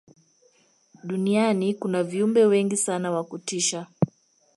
duniani kuna viumbe wengi sana wa kutisha